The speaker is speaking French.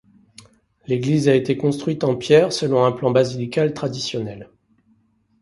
L'église a été construite en pierre selon un plan basilical traditionnel.